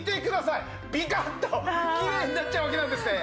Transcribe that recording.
ビカッときれいになっちゃうわけなんですね。